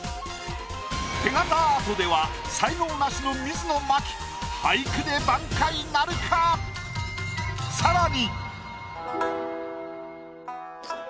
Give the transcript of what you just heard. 手形アートでは才能ナシの水野真紀俳句で挽回なるか⁉更に。